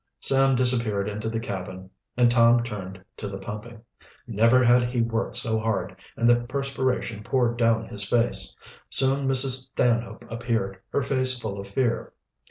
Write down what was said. Sam disappeared into the cabin and Tom turned to the pumping. Never had he worked so hard, and the perspiration poured down his face. Soon Mrs. Stanhope appeared, her face full of fear.